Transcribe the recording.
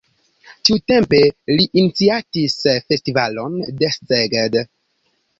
Tiutempe li iniciatis festivalon de Szeged.